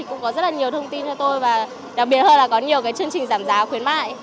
cũng có rất nhiều thông tin cho tôi đặc biệt hơn là có nhiều chương trình giảm giá khuyến mại